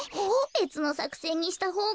べつのさくせんにしたほうが。